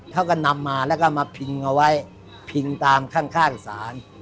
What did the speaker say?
เขาก็นำมาแล้วก็มาพิงเอาไว้พิงตามข้างศาล